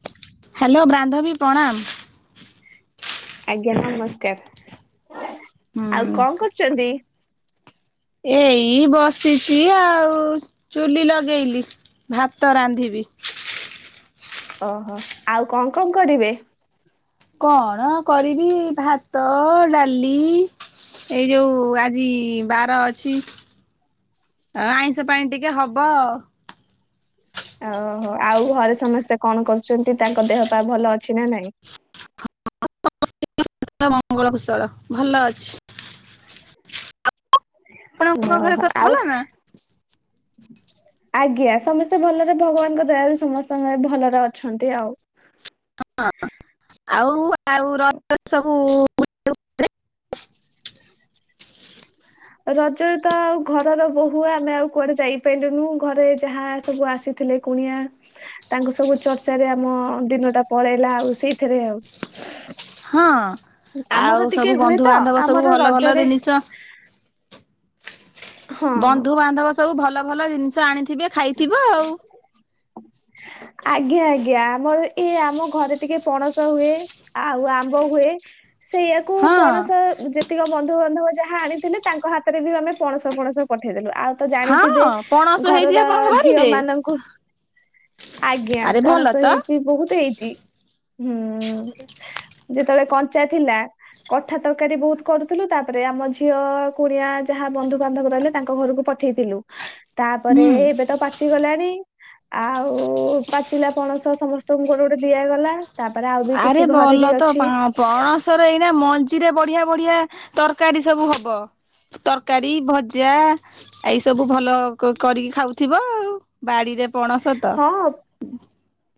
ହ ହାଲୋ ବାନ୍ଧବୀ ପ୍ରଣାମ ଆଜ୍ଞା ନମସ୍କାର ଆଉ ହୁଁ କଣ କରୁଛନ୍ତି ଏଇ ବସିଛି ଆଉ ଚୁଲି ଲଗେଇଲି ଭାତ ରାନ୍ଧିବି ଓହୋ ଆଉ କଣ କଣ କରିବେ କଣ କରିବି ଭାତ ଡାଲି ଏଇ ଯୋଉ ଆଜି ବାର ଅଛି ଅଁ ଆଇଁଷ ପାଣି ଟିକେ ହବ ଓହୋ ଆଉ ଘରେ ସମସ୍ତେ କଣ କରୁଛନ୍ତି ତାଙ୍କ ଦେହ ପା ଭଲ ଅଛି ନା ନାଇଁ ହଁ ମଙ୍ଗଳ କୁଷଳ ଭଲ ଅଛି ଆପଣଙ୍କ ଘରେ ଓହୋ ସବୁ ଆଉ ଭଲନା ଆଜ୍ଞା ସମସ୍ତେ ଭଲରେ ଭଗବାନଙ୍କ ଦୟାରୁୁ ସମସ୍ତଙ୍କ ଭଲରେ ଅ ଅଛନ୍ତି ଆଉ ହଁ ଆଉ ଆଉ ରଜରେ ସବୁ ରଜରେ ତ ଆଉ ଘରର ବୋୂ ଆମେ ଆଉ କୁଆଡେ ଯାଇପାରିଲୁନୁ ଘରେ ଯାହା ସବୁ ଆସି ଥିଲେ କୁଣିଆ ତାଙ୍କୁ ସବୁ ଚର୍ଚ୍ଚାରେ ଆମ ଦିନଟା ପଳେଇଲା ଆଉ ସେଇଥିରେ ଆଉ ହଁ ଆମର ଆଉ ଟିକେ ସବୁ ହୁଏ ତ ବନ୍ଧୁବାନ୍ଧବ ସବୁ ଆମର ଭଲ ଭଲ ରଜରେ ଜିନିଷ ହଁ ବନ୍ଧୁ ବାନ୍ଧବ ସବୁ ଭଲ ଭଲ ଜିନିଷ ଆଣିଥିବେ ହ ଖାଇଥିବ ଆଉ ଆଜ୍ଞା ଆଜ୍ଞା ଆମର ଏଇ ଆମ ଘରେ ଟିକେ ପଣସ ହୁଏ ଆଉ ଆମ୍ବ ହୁଏ ସେଇଆାକୁ ହଁ। ପଣସ ଯେତିକି ବନ୍ଧୁବାନ୍ଧବ ଯାହା ଆଣିଥିଲେ ତାଙ୍କ ହାତରେ ବି ଆମେ ପଣସ ପଣସ ପଠେଇଦେଲୁ ଆଉ ତ ହଁ ଜାଣିଥିବେ ପଣସ ଘର ହେଇଛି ଆପଣଙ୍କ ଝିଅ ବାରିରେ ମାନଙ୍କୁ ଆଜ୍ଞା ଆରେ ଭଲ ପଣସ ତ। ହେଇଛି ବହୁତ ହେଇଛି ହୁଁ ଯେତେବେଳେ କଞ୍ଚା ଥିଲା କଠା ତରକାରୀ ବହୁତ କରୁଥିଲୁ ତାପରେ ଆମ ଝିଅ କୁଣିଆ ଯାହା ବନ୍ଧୁବାନ୍ଧବ ରହିଲେ ତାଙ୍କ ଘରକୁ ପଠେଇଥିଲୁ ହୁଁ ତାପରେ ଏବେ ତ ପାଚିଗଲାଣି ଆଉ ପାଚିଲା ପଣସ ସମସ୍ତଙ୍କୁ ଘର ଗୋଟେ ଦିଆଗଲା ତାପରେ ଆଉ ବି ଆରେ କିଛି ଘରେ ଭଲ ବି ତ ଅଛି ପଣସର ଏଇନା ମଞ୍ଜିରେ ବଢିଆ ବଢିଆ ତରକାରୀ ସବୁ ହବ ତରକାରୀ ଭଜା ଏଇ ସବୁ ଭଲ କରିକି ଖାଉଥିବ ଆଉ ବାଡିରେ ପଣସ ତ ହଁ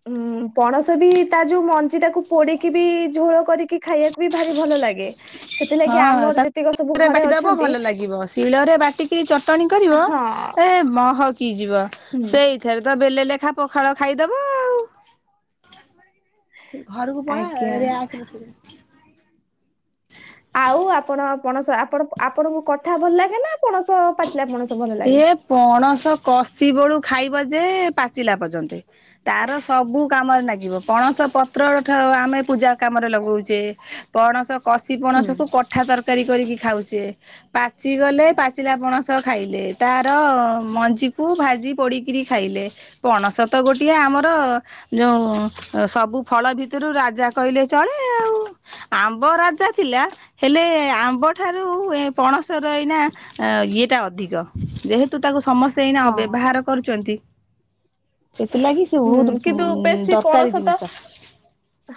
ଉଁ ପଣସ ବି ତା ଯୋଉ ମଞ୍ଜି ଟାକୁ ପୋଡିକି ବି ଝୋଳ କରିକି ଖାଇବାକୁ ଭାରି ଭଲ ଲାଗେ ସେଥିଲାଗି ଆମର ଯେତିକ ସବୁ ଶଳରେ ଘରେ ବାଟିଦବ ଅଛନ୍ତି ଭଲ ଲାଗିବ ଶିଳରେ ବାଟିକି ଚଟଣି କରିବ ହଁ ଏ ମହକି ଯିବ ହୁଁ ସେଇ ଏବେତ ବେଲେ ଲେଖା ପଖାଳ ଖାଇଦବ ଆଉ ଘରକୁ ପଳା ଆଜ୍ଞା [unintelligible] ଆଉ ଆପଣ ପଣସ ଆପଣ ଆପଣଙ୍କୁ କଠା ଭଲ ଲାଗେ ନା, ପଣସ ପାଚିଲା ପଣସ ଭଲ ଲାଗେ? ଏ ପଣସ କଷି ବେଳୁ ଖାଇବ ଯେ ପାଚିଲା ପର୍ଯ୍ୟନ୍ତେ। ତାର ସବୁ କାମରେ ଲାଗିବ, ପଣସ ପତ୍ର ଆମେ ପୂଜା କାମରେ ଲଗାଉଛେ। ପଣସ କଶି ହୁଁ ପଣସକୁୁ କ ଉଠା ତରକାରୀ କରିକି ଖାଉଛେ ପାଚିଗଲେ ପାଚିଲା ପଣସ ଖାଇଲେ ତାର ମଞ୍ଜିକୁ ଭାଜି ପୋଡ଼ିକିରି ଖାଇଲେ। ପଣସ ତ ଗୋଟିଏ ଆମର ଯୋଉଁ ସବୁ ଫଳ ଭିତରୁ ରାଜା କହିଲେ ଚଳେ ଆଉଲ। ଆମ୍ବ ରାଜା ଥିଲା? ହେଲେ ଆମ୍ବ ଠାରୁ ପଣସ ର ଏଇନା ଇଏଟା ଅଧିକ। ଯେହେତୁ ତାକୁ ସମସ୍ତେ ଏଇନା ହଁ ବ୍ୟବହାର କରୁଛନ୍ତି? ସେଥିଲାଗି ସେ ହୁଁ ବହୁତ କିନ୍ତୁ ବେଶୀ ପଣସ ଦରକାରୀ ତ ଜିନିଷ।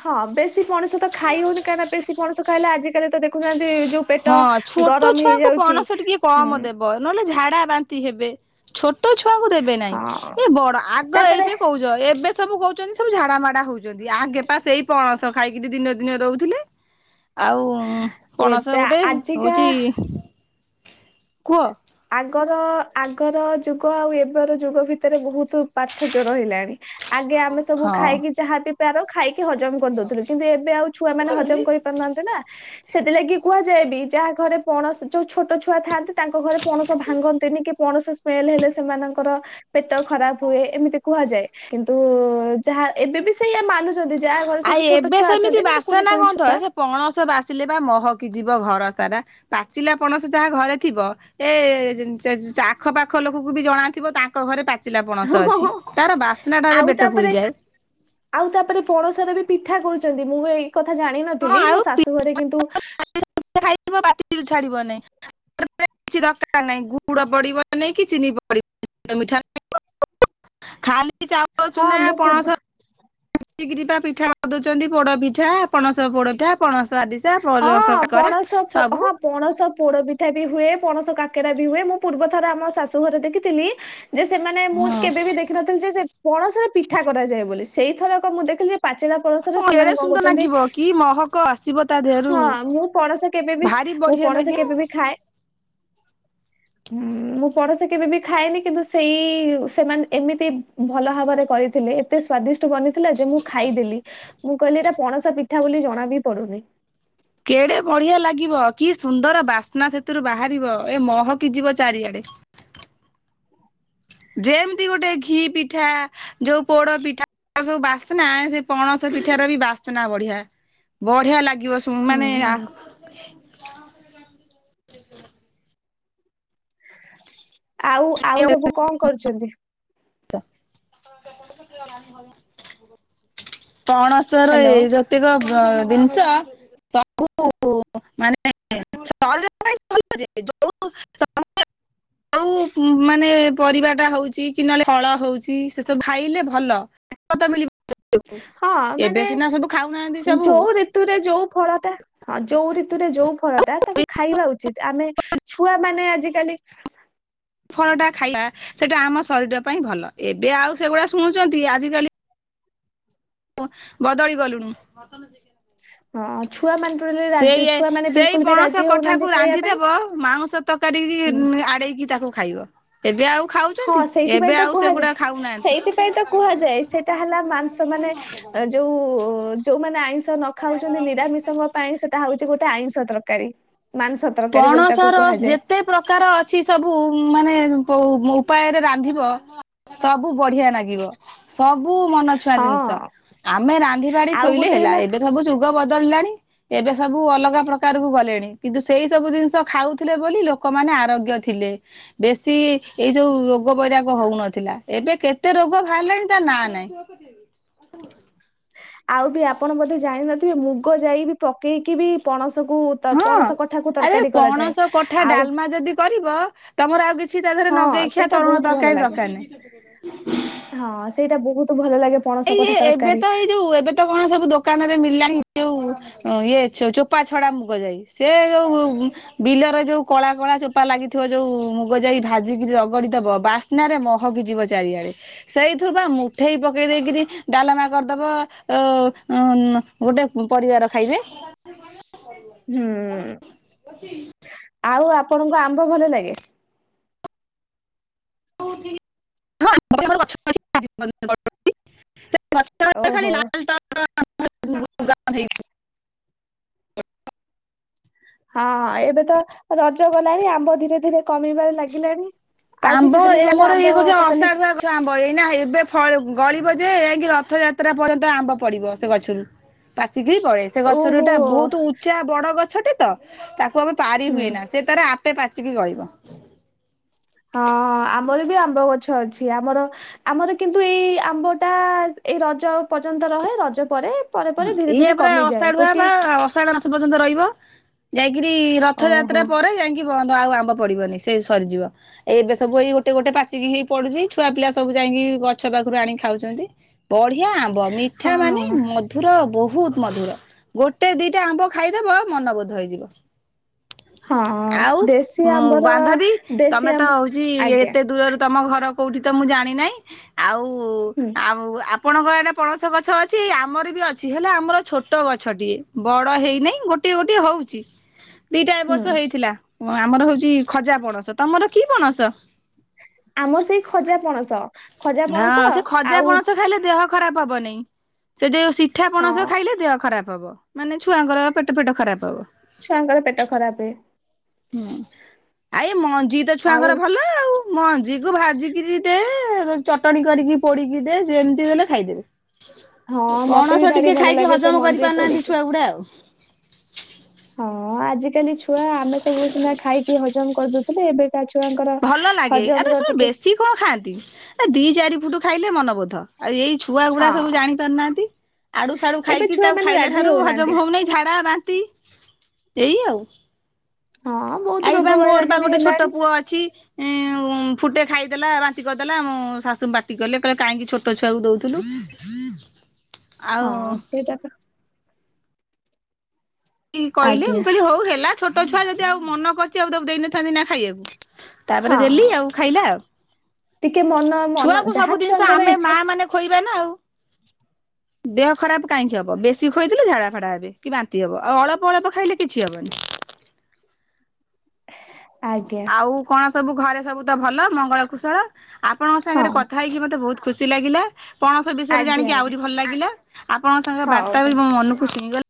ହଁ ବେଶୀ ପଣସ ତ ଖାଇ ହଉନି କାହିଁକିନା ବେଶୀ ପଣସ ଖାଇଲେ ଆଜିକାଲି ତ ଦେଖୁନ୍ତି ଯୋଉ ପେଟ ହଁ ଛୋଟ ଗରମ ଛୁଆଙ୍କୁ ହେଇଯାଉଛି ପଣସ ଟିକେ ହୁଁ କମ ଦେବ। ନହେଲେ ଝାଡା ବାନ୍ତି ହେବେ, ଛୋଟ ଛୁଆଙ୍କୁ ଦେବେ ନାହିଁ, ହଁ ଏ ବଡ ଆଗ ତାପରେ ଏବେ କହୁଛି ଏବେ ସବୁ କହୁଛନ୍ତି ସବୁ ଝାଡାମଡା ହଉଛନ୍ତି, ଆଗେ ପା ସେଇ ପଣସ ଖାଇକିରି ଦିନ ଦିନ ରହୁଥିଲେ, ଆଉ ତୁ ଏବେ ଗୋଟେ ଆଜିକା ହଉଛି କୁହ? ଆଗର ଆଗର ଯୁଗ ଆଉ ଏବେର ଯୁଗ ଭିତରେ ବହୁତ ପାର୍ଥକ୍ୟ ରହିଲାଣି। ଆଗେ ଆମେ ସବୁ ହଁ ଖାଇକି ଯାହା ବିି ପାର ଖାଇକି ହଜମ କରିଦଉଥିଲୁ କିନ୍ତୁ ଏବେ ଆଉ ଛୁଆମାନେେ ହଜମ କରି କରିପାରୁନାହାନ୍ତି ନା, ସେଥିଲାଗି କୁହାଯାଏ ବି ଯାହା ଘରେ ପଣ ଯୋଉ ଛୋଟ ଛୁଆ ଥାଆନ୍ତି ତାଙ୍କ ଘରେ ପଣସ ଭାଙ୍ଗନ୍ତିନି କି, ପଣସ ସ୍ମେଲ ହେଲେ ସେମାନଙ୍କର ପେଟ ଖରାପ ହୁଏ, ଏମିତି କୁହାଯାଏ କିନ୍ତୁ ଯାହା ଏବେ ବି ସେଇଆ ମାନୁଛନ୍ତି। ଯାହା ଘରେ ଆଉ ସବୁ ଛୋଟ ଏବେ ଛୁଆ ସେମିତି ଅଛନ୍ତି, ମାନ କୁନି ବାସେନା କୁନି ଗନ୍ଧ ଛୁଆ ସେ ପଣସ ବାସିଲେ ବା ମହକି ଯିବ ଘର ସାରା। ପାଚିଲା ପଣସ ଯାହା ଘରେ ଥିବ ଏ ଆଖ ପାାଖ ଲୋକକୁ ବି ଜଣା ଥିବ ତା ତାଙ୍କ ଘରେ ପାଚିଲା ପଣସ ହଁ ହଁ ଅଛି, ହଁ। ତାର ବାସ୍ନା ଟାରେ ଆଉ ପେଟ ତାପରେ ପୁରିଯାଏ। ଆଉ ତାପରେ ପଣସର ବି ପିଠା କରୁଛନ୍ତି, ମୁଁ ଏଇ କଥା ଜାଣିନଥିଲି ମୋ ଶାଶୁ ଘରେ କିନ୍ତୁ ଯିଏ ପିଠା ହେଇଥିବ ପାଟିରୁ ଛାଡିବନି। କିଛି ଦରକାର ନାହିଁ ଗୁଡ଼ ପଡ଼ିବ ନାହିଁ କି ଚିନି ପଡ଼ିବନି, ମିଠା ଖାଲି ଚାଉଳ ହଁ ଚୁନା, ମୁଁ ପୂର୍ବ ପଣସ ବାଟିକିରି ପା ପିଠା କରିଦଉଛନ୍ତି, ପୋଡ ପିଠା ପଣସ ପୋଡଠା, ପଣସ ଆରି [unintelligible] ହଁ କାକରା ପଣସ ପୋ- ସବୁ। ହଁ ପଣସ ପୋଡ ପିଠା ବି ହୁଏ, ପଣସ କାକେରା ବି ହୁଏ, ମୁଁ ପୂର୍ବ ଥର ଆମ ଶାଶୁ ଘରେ ଦେଖିଥିଲି। ଯେ ସେମାନେ ମୁଁ ହଁ କେବେ ବି ଦେଖିନଥିଲି ଯେ କଣ ସ ପିଠା କରାଯାଏ ବୋଲି, ସେଇଥରକ ମୁଁ ଦେଖିଲି ଯେ ପାଚିଲା ପଣସ ରେ ହଁ ଏଡେ ସେମାନେ କଣ ସୁନ୍ଦର କରୁଛନ୍ତି? ଲାଗିବ କି ମହକ ଆସିବ ତା ଦେହ ହଁ ମୁଁ ପଣସ କେବେବି, ମୁଁ ପଣସ ଲାଗିବ। କେବେବି ଖାଏ ହୁଁ ମୁଁ ପଣସ କେବେ ବି ଖାଏନି କିନ୍ତୁ ସେଇ ସେମାନେ ଏମିତି ଭଲ ଭାବରେ କରିଥିଲେ, ଏତେ ସ୍ଵାଦିଷ୍ଟ ବନିଥିଲା ଯେ ମୁଁ ଖାଇଦେଲି, ମୁଁ କହିଲି ଏଇଟା ପଣସା ପ ପିଠା ବୋଲି ଜଣା ବି ପଡୁନି। କେଡେ ବଢିଆ ଲାଗିବ, କି ସୁନ୍ଦର ବାସ୍ନା ସେଥିରୁ ବାହାରିବ, ଏ ମହକିି ଯିବ ଚାରିଆଡେ। ଯେମିତି ଗୋଟେ ଘି ପିଠା ଯୋଉ ପୋଡ ପିଠା ସବୁ ବାସ୍ନା, ସେ ପଣସ ପିଠା ର ବି ବାସ୍ନା ବଢିଆ। ବଢିଆ ଲାଗିବ ମାନେ ହୁଁ। ଆଉ ଆଉ ସବୁ କଣ କରୁଛନ୍ତି? କଣସ ର ଏ ହ୍ୟାଲୋ ଯ ପ୍ରକ ଜିନିଷ ସବୁ [unintelligible] ଯୋଉ ଯଉ ମାନେ ପରିବା ଟା ହଉଛି କି ନହେଲେ ଫଳ ହଉଛି ସେ ସବୁ ଖାଇଲେ ଭଲ ମି ହଁ ଏବେ ମାନେ ସିନା ସବୁ ଖାଉନାହାନ୍ତି ସବୁ ଯୋଉ ଋତୁରେ ଯୋଉ ଫଳଟା ହଁ ଯୋଉ ଋତୁରେ ଯୋଉ ଫଳଟା ତାକୁ ଖାଇବା ଉଚିତ ଆମେ ଛୁଆ ମାନେ ଆଜିକାଲି ଫଳଟା ଖାଇବା ସେଟା ଆମ ଶରୀର ପାଇଁ ଭଲ ଏବେ ଆଉ ସେଗୁଡା ଶୁଣୁଛନ୍ତି ଆଜିକାଲି ବଧୀ ଗଲ ହଁ ଛୁଆ ମାନେ ଟୋଟାଲି ରାଜି ସେଇ ଛୁଆ ମାନେ ସେଇ ବିଲକୁଲ ବି ପଣସ ରାଜି ହଉନାହାନ୍ତି କଠାକୁ ଖାଇବା ପାଇଁ। ରାନ୍ଧିଦବ ମାଉଁସ ତରକାରୀ ହୁଁ ଆଡ଼େଇକି ତାକୁ ଖାଇବ ଏବେ ଆଉ ହଁ ଖାଉଛନ୍ତି ସେଇଥିପାଇଁ ଏବେ ତ ଆଉ କୁହାଯାଏ ସେଗୁଡା ଖାଉନାହାନ୍ତି ସେଟା ହେଲା ମାଂସ ମାନେ ଯୋଉ ଯୋଉମାନେ ଆଇଁଷ ନ ଖାଉଛନ୍ତି ନିରାମିଷଙ୍କ ପାଇଁ ସେଟା ହଉଛି ଗୋଟେ ଆଇଁଷ ତରକାରୀ ମାଂସ ତରକାରୀ ବୋଲି ପଣସ ତାକୁ ର କୁହାଯାଏ ଯେତେ ସୁ ପ୍ରକାର ଅଛି ସବୁ ମାନେ ଉପାୟରେ ରାନ୍ଧିବ ସବୁ ବଢିଆ ଲାଗେ ସବୁ ମନ ଛୁଆଁ ହଁ ଜିନିଷ ଆମେ ରାନ୍ଧିିବାଡି ଆଉ ଥୋଇଲେ ଗୋଟେ ହେଲା ଏବେ ସବୁ ଯୁଗ ବଦଳିଲାଣି ଏବେ ସବୁ ଅଲଗା ପ୍ରକାର କ ଗଲେଣି କିନ୍ତୁ ସେଇ ସବୁ ଜିନିଷ ଖାଉଥିଲେ ବୋଲି ଲୋକମାନେ ଆରୋଗ୍ୟ ଥିଲେ ବେଶୀ ଏଇ ସୋଉ ରୋଗ ବୈରାଗ ହଉନଥିଲା ଏବେ କେତେ ରୋଗ ବାହାରିଲାଣି ତା ନା ନହିଁ ଯ କଟେ ଆଉ ବି ଆପଣ ବୋଧେ ଜାଣିନଥିବେ ମୁଗ ଯାଇ ବି ପକେଇକି ବି ପଣସକୁ ତ- ହଁ ପଣସ କଠାକୁ ଆରେ ତରକାରୀ କରାଯାଏ। ପଣସ କଠା ଆଉ ଡାଲମା ଯଦି କରିବ ତମର ଆଉ କିଛି ତା ଦେହରେ ହଁ ନଗେଇ ଖିଆ ସେଇଟା ବହୁତ ତରୁଣ ଭଲ ତରକାରୀ ଲାଗେ। ଦରକାର ନାହିଁ ହଁ ସେଇଟା ବହୁତ ଭଲ ଲାଗେ ପଣସ ଏଇ କଠା ଏବେ ତରକାରୀ ତ ଏଇ ଯୋଉ ଏବେ ତ କଣ ସବୁ ଦୋକାନରେ ମିଳିଲାଣି ଯୋଉ ଇଏ ଚୋପା ଛଡା ମୁଗ ଯାଇ ସେ ଯୋଉ ବିଲରେ ଯୋଉ କଳା କଳା ଚୋପା ଲାଗିଥିବ ଯୋଉ ମୁଗ ଯାଇ ଭାଜିକି ରଗଡିଦବ ବା ରେ ମହକି ଯିବ ଚାରିଆଡେ ସେଇଥିରୁ ବା ମୁଠେଇ ପ ପକେଇ ଦେଇକରି ଡାଲମା କରିଦବ ଉ ଗୋଟେ ପରିବାର ଖାଇବେ ହୁଁ ଆଉ ଆପଣଙ୍କୁ ଆମ୍ବ ଭଲ ଲାଗେ ହଁ ଗଛ ଛ ଓହୋ। ଖା ଲା ହଁ ଏବେ ତ ରଜ ଗଲାଣି ଆମ୍ବ ଧୀରେ ଧୀରେ କମିବାରେ ଲାଗିଲାଣି ଆଉ କବ କିଛି ଦିନ ଗଲେ ଆମର ଆମ୍ବ ଇଏ କରୁଛ ଟୋଟାଲି ଅସାଢୁ ଗଛ ଆମ୍ବ ଏଇନା ଏବେ ଗଳିବ ଯେ ଯକି ରଥଯାତ୍ରା ପର୍ଯ୍ୟନ୍ତ ଆମ୍ବ ପଡିବ ସେ ଗଛରୁ ପାଚିକି ପଳଳେ ସେ ଓହୋ ଗଛରୁ ଗୋଟା ବହୁତ ଉଚ୍ଚା ବଡ ଗଛଟେ ତ ତାକୁ ଆମେ ପାରି ହୁଁ ହୁଏନା ସେ ତାର ଆପେ ପାଚିକି ଗଳିବ ହଁ ଆମର ବି ଆମ୍ବ ଗଛ ଅଛି ଆମର ଆମର କିନ୍ତୁ ଏଇ ଆମ୍ବ ଟା ଏଇ ରଜ ପର୍ଯ୍ୟନ୍ତ ରହେ ରଜ ପରେ ପରେ ହଁ ପରେ ଧୀରେ ଇଏ ଧୀରେ ପୁରା କମିଯାଏ ଅସାଢୁଆ ବା ଗୋଟିଏ ସାଢ ମାସ ପର୍ଯ୍ୟନ୍ତ ରହିବ ଯାଇକିରି ଓହୋ ରଥଯାତ୍ରା ପରେ ଯାଇକ କି ବନ୍ଧ ଆଉ ଆମ୍ବ ପଡିବନି ସେ ସରିଯିବ ଏବେ ସବୁ ଏଇ ଗୋଟେ ଗୋଟେ ପାଚିକି ହେଇ ପଡୁଛି ଛୁଆ ପିଲା ସବୁ ଯାଇକି ଗଛ ପାଖରୁ ଆଣି ଖାଉଛନ୍ତି ବଢିଆ ଆମ୍ବ ମିଠା ହଁ ମାନେ ମଧୁର ବହୁତ ମଧୁର ଗୋଟେ ଦିଟା ଆମ୍ବ ଖାଇଦବ ମନ ବୋଧ ହେଇଯିବ ହୁଁ ଆଉ ବାନ୍ଧବୀ ଦେଶୀ ତମେ ତ ଆମ୍ବ ହଉଛି ଆଜ୍ଞା ଏତେ ଦୂରରୁ ତମ ଘର କୋଉଠି ତ ମୁଁ ଜାଣିିନହିଁ ଆଉ ହୁଁ ଆଉ ଆପଣଙ୍କ ଆଡେ ପଣସ ଗଛ ଅଛି ଆମର ବି ଅଛି ହେଲେ ଆମର ଛୋଟ ଗଛଟିଏ ବଡ ହେଇନାହିଁ ଗୋଟେ ଗୋଟେ ହଉଛି ଦିଟା ବର୍ଷ ହୁଁ ହେଇଥିଲା ଆମର ହଉଛି ଖଜା ପଣସ ତମର କି ପଣସ ଆମର ସେଇ ଖଜା ପଣସ ଖଜା ହଁ ପଣସ ସେ ଖଜା ଆଉ ପଣସ ଖାଇଲେ ଦେହ ଖରାପ ହବ ନାଇଁ ସେ ଯଉ ସିଠା ପଣସ ହଁ ଖାଇଲେ ଦେହ ଖରାପ ହବ ମାନେ ଛୁଆଙ୍କର ପେଟ ପେଟ ଖରାପ ହବ ଙ୍କର ପେଟ ଖରାପ ହୁଏ ହୁଁ ଆଇ ମଞ୍ଜି ତ ଆଉ ଛୁଆଙ୍କର ଭଲ ଆଉ ମଞ୍ଜି କୁ ଭାଜିକିରି ଦେ ଚଟଣଣି କରିକି ପୋଡିକି ଦେ ସେମିତି ହେଲେ ଖାଇଦେବେ ହଁ ମତେ ବି ପଣସ ଭାରି ଟିକେ ଭଲ ଖାଇକି ଲାଗେ ସେ ହଜମ କରି ମଞ୍ଜେଇ ପାରୁନାହାନ୍ତି ପୋଡିକି ଛୁଆ ଗୁଡେ ଆଉ ହଁ ଆଜିକାଲି ଛୁଆ ଆମେ ସବୁ ସିନା ଖାଇକି ହଜମ କରିଦୁଛୁ ଥିଲେ ଏବେ କା ଛୁଆଙ୍କର ଭଲ ଲାଗେ ଆରେ ହଜମ ର ଶୁଣ ଟିକେ ବେଶୀ କଣ ଖାଆନ୍ତି ଏ ଦି ଚାରିପୁଟ ଖାଇଲେ ମନବୋଧ ଆଉ ଏଇ ଛୁଆ ଗୁଡା ହଁ ସବୁ ଜାଣି ପାରୁନାହାନ୍ତି ଆଡୁ ସଡୁ ଏବେ ଖାଇକି ଛୁଆ ତାଉ ମାନେ ଖାଇଲେ ରାଜି ଠାରୁ ହଉନାହାନ୍ତି ହଜମ ହଉନହିଁ ଝାଡା ବାନ୍ତି ଏଇ ଆଉ ହଁ ବହୁତ ଏଇ ବା ରୋଗ ମୋର ବା ବୈରାଗ୍ୟ ବି ଗୋଟେ ଛୋଟ ହେଲାଣି ପୁଅ ଅଛି ଉଁ [unintelligible] ଫୁଟେ ଖାଇଦେଲା ବାନ୍ତି କରିଦେଲା ଆମ ଶାଶୁ ବାଟି କଲେ କିଲ କାହିଁକି ଛୋଟ ଛୁଆକୁ ଦଉଥିଲୁ ହୁଁ ହଁ ସେଇଟା ତ କହିଲେ ମୁଁ ଆଜ୍ଞା କହିଲି ହଉ ହେଲା ଛୋଟ ଛୁଆ ଯଦି ଆଉ ମନ କରିଛି ଆଉ ତ ଦେଇନଥାନ୍ତି ନା ଖାଇବାକୁ ତାପରେ ହଁ ଦେଲି ଆଉ ଖାଇଲା ଆଉ ଟିକେ ମନ ମନ ଛୁଆଙ୍କୁ ଯାହା ସବୁ ଜିନିଷ ଛୁଆଙ୍କର ଆମେ ମା ଇଚ୍ଛା ମାନେ ଖୋଇବା ନା ଆଉ [inaudible] ଦେହ ଖରାପ କାହିଁକି ହବ ବେଶୀ ଖୁଇଥିଲୁ ଝାଡା ଫାଡା ହେବେ କି ବାନ୍ତି ହବ ଆଉ ଅଳ୍ପ ଅଳ୍ପ ଖାଇଲେ କିଛି ହେବନି ଆଜ୍ଞା ଆଉ କଣ ସବୁ ଘରେ ସବୁ ତ ଭଲ ମଙ୍ଗଳ କୁଶଳ ଆପଣଙ୍କ ହଁ ସାଙ୍ଗରେ କଥା ହେଇକି ମତେ ବହୁତ ଖୁସି ଲାଗିଲା ପଣସ ବିଷୟରେ ଆଜ୍ଞା ଜାଣିକି ଆଜ୍ଞା ଆହୁରି ଭଲ ଲାଗିଲା ଆପଣଙ୍କ ସାଙ୍ଗ ବାର୍ତ୍ତା ହଉ ବି ମୋ ମନକୁ ଶୁଇଁଗଲା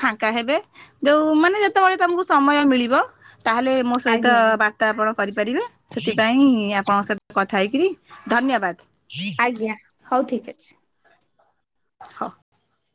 ଫାଙ୍କା ହେବେ ଯୋଉ ମାନେ ଯେତେବେଳେ ତମକୁ ସମୟ ମିଳିବ ତାହେଲେ ଙ୍କ ସହିତ ଆଜ୍ଞା ବାର୍ତ୍ତା ଆପଣ କରିପାରିବେ ସେଥିପାଇଁ ଆପଣଙ୍କ ସହିତ କଥା ହେଇକରି ଧନ୍ୟବାଦ ଆଜ୍ଞା ହଉ ଠିକ ଅଛି ହଁ